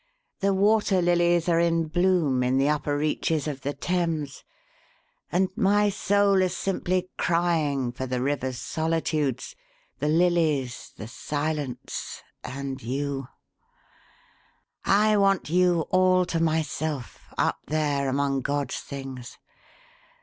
The water lilies are in bloom in the upper reaches of the Thames and my soul is simply crying for the river's solitudes, the lilies, the silence, and you! I want you all to myself up there, among God's things.